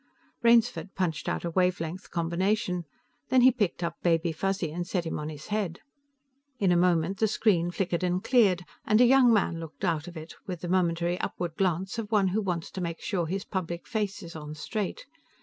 Rainsford punched out a wavelength combination. Then he picked up Baby Fuzzy and set him on his head. In a moment, the screen flickered and cleared, and a young man looked out of it, with the momentary upward glance of one who wants to make sure his public face is on straight.